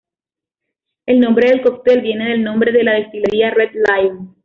El nombre del cóctel viene del nombre de la destilería "Red Lion".